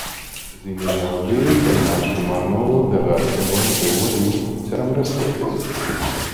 ځینې ژاولې د ماشومانو د غاښونو وده ته مرسته کوي.